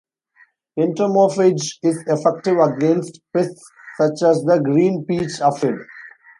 "Entomophaga" is effective against pests such as the green peach aphid.